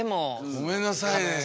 ごめんなさい。